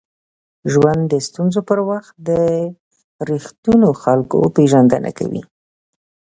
ژوند د ستونزو پر وخت د ریښتینو خلکو پېژندنه کوي.